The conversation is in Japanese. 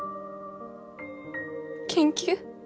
研究？